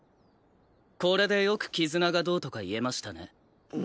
これでよく絆がどうとか言えましたね。